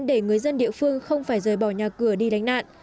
để người dân địa phương không phải rời bỏ nhà cửa đi đánh nạn